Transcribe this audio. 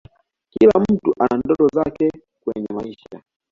kila mtu ana ndoto zake kwenye maisha